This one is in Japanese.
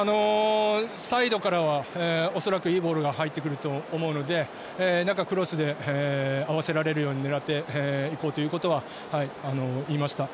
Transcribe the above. サイドからは恐らくいいボールが入ってくると思うので中、クロスで合わせられるように狙っていこうと言いました。